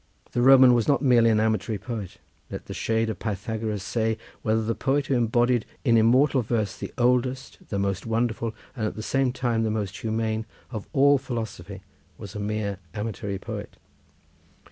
The Roman was not merely an amatory poet: let the shade of Pythagoras say whether the poet who embodied in immortal verse the oldest, the most wonderful and at the same time the most humane of all philosophy was a mere amatory poet.